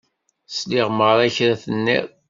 Sliɣ merra i kra i tenniḍ